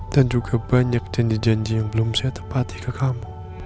dan juga banyak janji janji yang belum saya tepati ke kamu